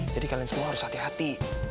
jadi kalian semua harus hati hati